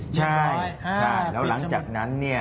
ใช่แล้วหลังจากนั้น